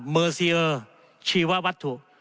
เมอร์เซียร์ชีววัตถุ